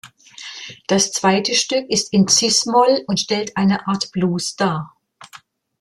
Das zweite Stück ist in cis-Moll und stellt eine Art Blues dar.